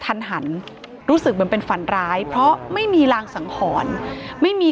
ทันหันรู้สึกเหมือนเป็นฝันร้ายเพราะไม่มีรางสังหรณ์ไม่มี